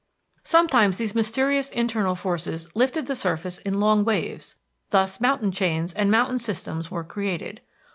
Sometimes these mysterious internal forces lifted the surface in long waves. Thus mountain chains and mountain systems were created.